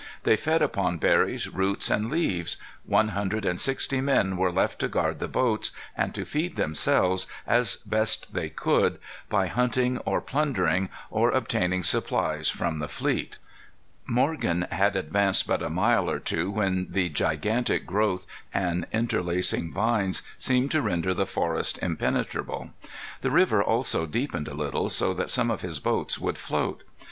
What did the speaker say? They fed upon berries, roots, and leaves. One hundred and sixty men were left to guard the boats, and to feed themselves as best they could by hunting or plundering, or obtaining supplies from the fleet. Morgan had advanced but a mile or two when the gigantic growth and interlacing vines seemed to render the forest impenetrable. The river also deepened a little, so that some of his boats would float.